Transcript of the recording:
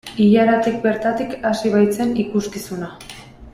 Ilaratik bertatik hasi baitzen ikuskizuna.